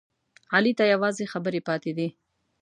علي ته یوازې خبرې پاتې دي.